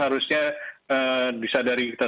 harusnya disadari kita